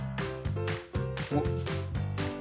おっ！